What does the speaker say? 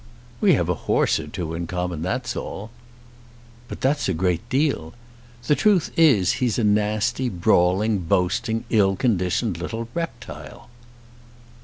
"We have a horse or two in common; that's all." "But that is a great deal. The truth is he's a nasty, brawling, boasting, ill conditioned little reptile."